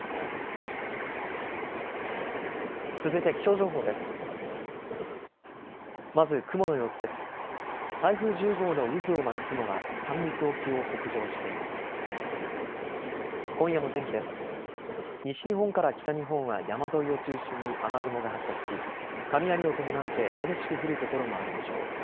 西日本から北日本は山沿いを中心に雨雲が発達し雷を伴って激しく降る所もあるでしょう。